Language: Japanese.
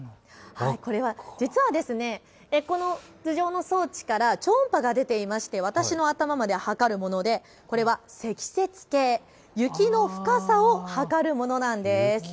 実はこの頭上の装置から超音波が出ていまして私の頭まで測るもので、これは積雪計、雪の深さを測るものなんです。